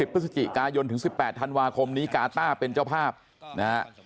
พฤศจิกายนถึง๑๘ธันวาคมนี้กาต้าเป็นเจ้าภาพนะฮะ